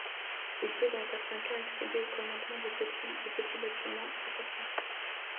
Il peut dans certains cas accéder au commandement de petits bâtiments de surface.